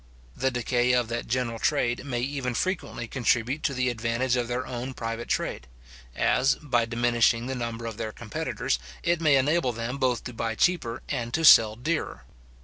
The decay of that general trade may even frequently contribute to the advantage of their own private trade; as, by diminishing the number of their competitors, it may enable them both to buy cheaper, and to sell dearer.